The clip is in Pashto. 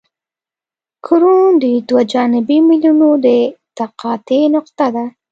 کرون د دوه جانبي میلونو د تقاطع نقطه ده